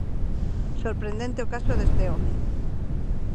Sorprendente o caso deste home.